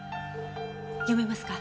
読めますか？